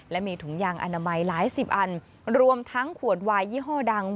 และมีถุงยางอนามัยหลายสิบอันรวมทั้งขวดวายยี่ห้อดัง